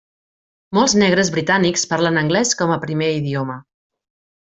Molts negres britànics parlen anglès com a primer idioma.